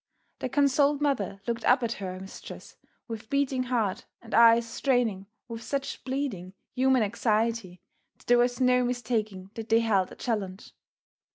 The consoled mother looked up at her mistress with beating heart and eyes straining with such pleading human anxiety that there was no mistaking that they held a challenge.